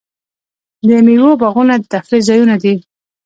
د میوو باغونه د تفریح ځایونه دي.